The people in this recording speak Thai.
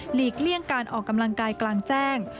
เลี่ยงการออกกำลังกายกลางแจ้ง